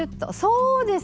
そうです